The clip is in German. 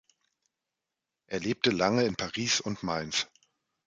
Er lebte lange in Paris und Mainz.